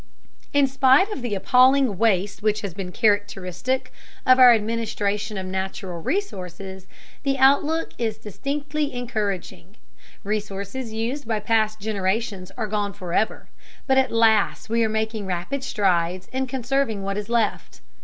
In spite of the appalling waste which has been characteristic of our administration of natural resources, the outlook is distinctly encouraging. Resources used by past generations are gone forever, but at last we are making rapid strides in conserving what is left.